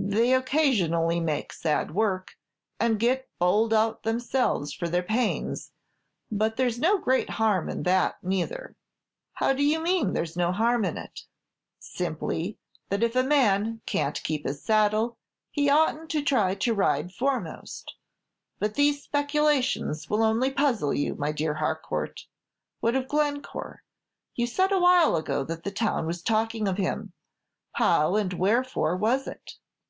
They occasionally make sad work, and get bowled out themselves for their pains; but there's no great harm in that neither." "How do you mean there 's no harm in it?" "Simply, that if a man can't keep his saddle, he ought n't to try to ride foremost; but these speculations will only puzzle you, my dear Harcourt. What of Glencore? You said awhile ago that the town was talking of him how and wherefore was it?"